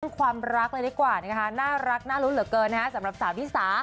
เป็นความรักเลยดีกว่าน่ารักน่ารู้เหลือเกินสำหรับสามธิสา